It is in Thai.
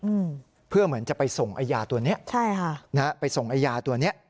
อืมเพื่อเหมือนจะไปส่งไอ้ยาตัวเนี้ยใช่ค่ะนะฮะไปส่งไอ้ยาตัวเนี้ย